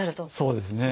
そうですね。